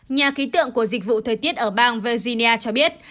nhà khí tượng của dịch vụ thời tiết ở bang virginia cho biết